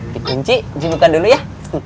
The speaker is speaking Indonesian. di kunci cuci bukan dulu ya